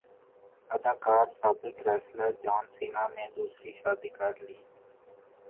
اداکار سابق wrestler John Cena نے دوسری شادی کرلی